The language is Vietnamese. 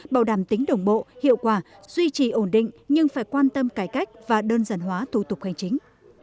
bảo đảm tính đồng bộ hiệu quả duy trì ổn định nhưng phải quan tâm cải cách và đơn giản hóa thủ tục hành chính